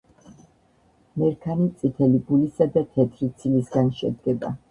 მერქანი წითელი გულისა და თეთრი ცილისგან შედგება.